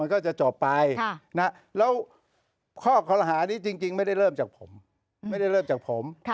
มันก็จะจบไปนะฮะแล้วข้อคอละหานี้จริงไม่ได้เริ่มจากผม